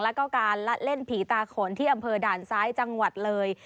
แล้วก็การละเล่นผีตาขนที่อำเภอด่านซ้ายจังหวัดเลย